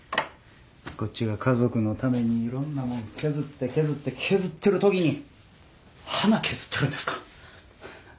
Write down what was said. こっちが家族のためにいろんなもん削って削って削ってるときに花削ってるんですか